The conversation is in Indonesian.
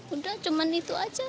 udah cuman itu aja